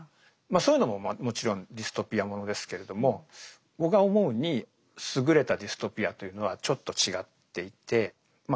そういうのももちろんディストピアものですけれども僕が思うに優れたディストピアというのはちょっと違っていてまあ